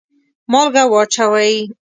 مالګه واچوئ